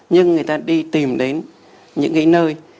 nhưng người ta đi tìm đến những cái nơi